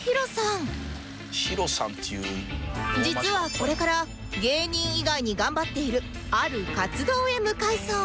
実はこれから芸人以外に頑張っているある活動へ向かうそう